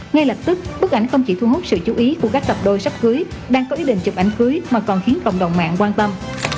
ngay lập tức bức ảnh không chỉ thu hút sự chú ý của các cặp đôi sắp cưới đang có ý định chụp ảnh cưới mà còn khiến cộng đồng mạng quan tâm